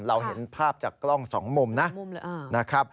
เราเห็นภาพจากกล้องสองมุมนะ